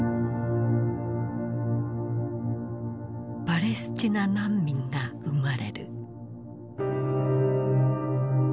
パレスチナ難民が生まれる。